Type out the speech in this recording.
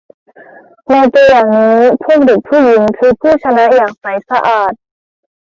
ในตัวอย่างนี้ พวกเด็กผู้หญิงคือผู้ชนะอย่างใสสะอาด